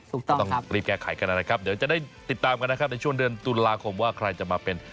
ต้องรีบแก้ไขกันนะครับเดี๋ยวจะได้ติดตามกันนะครับในช่วงเดือนตุลาคมว่าใครจะมาเป็น